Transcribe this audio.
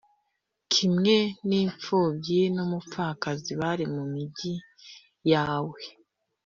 kimwe n’imfubyi n’umupfakazi bari mu migi yawe,